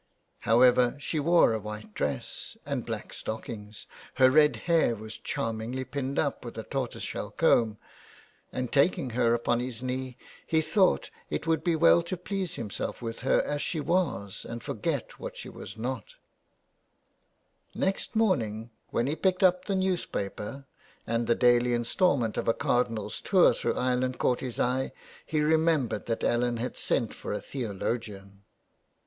However, she wore a white dress and black stockings ; her red hair was charm ingly pinned up with a tortoiseshell comb, and taking her upon his knee he thought it would be well to please himself with her as she was and forget what she was not Next morning when he picked up the newspaper and the daily instalment of a cardinal's tour through Ireland caught his eye, he remembered that Ellen had sent for a theologian.